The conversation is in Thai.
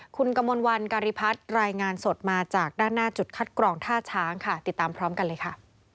คุณกมลวันการิพัฒน์รายงานสดมาจากด้านหน้าจุดคัดกรองท่าช้างค่ะติดตามพร้อมกันเลยค่ะ